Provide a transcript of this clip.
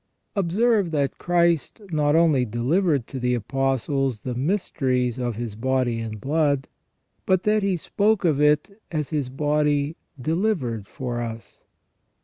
Observe that Christ not only delivered to the Apostles the mysteries of His body and blood, but that He spoke of it as His body delivered for us.